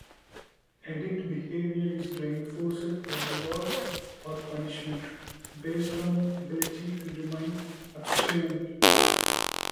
Addict behavior is reinforced, by reward or punishment, based on ability to remain abstinent.